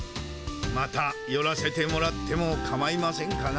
またよらせてもらってもかまいませんかな？